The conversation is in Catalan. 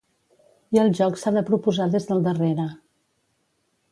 I el joc s’ha de proposar des del darrere.